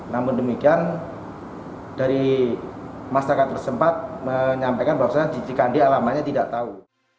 namun demikian dari masyarakat tersempat menyampaikan bahwa cikandi alamannya tidak tahu